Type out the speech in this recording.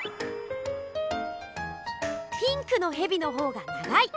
ピンクのヘビの方が長い！